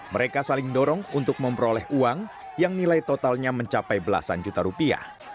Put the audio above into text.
mereka saling dorong untuk memperoleh uang yang nilai totalnya mencapai belasan juta rupiah